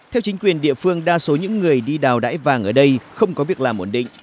theo chính quyền địa phương đa số những người đi đào đải vàng ở đây không có việc làm ổn định